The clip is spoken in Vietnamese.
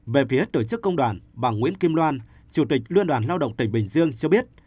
về phía tổ chức công đoàn bà nguyễn kim loan chủ tịch liên đoàn lao động tỉnh bình dương cho biết